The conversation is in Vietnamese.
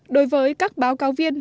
đối với các báo cáo viên